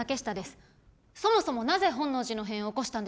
そもそもなぜ本能寺の変を起こしたんでしょうか？